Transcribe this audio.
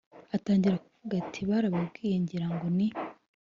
atangira kuvuga ati”barababwiye ngira ngo ni